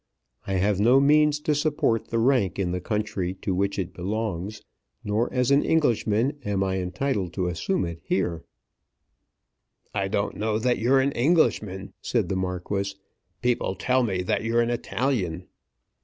I have no means to support the rank in the country to which it belongs; nor as an Englishman am I entitled to assume it here." "I don't know that you're an Englishman," said the Marquis. "People tell me that you're an Italian."